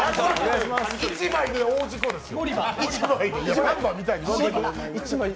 １枚で大事故ですよ！？